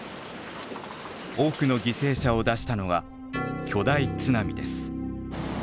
多くの犠牲者を出したのは「巨大津波」です。